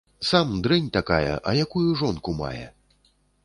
Сам дрэнь такая, а якую жонку мае.